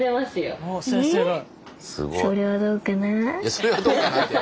「それはどうかな？」